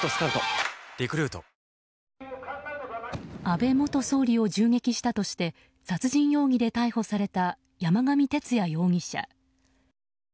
安倍元総理を銃撃したとして殺人容疑で逮捕された山上徹也容疑者。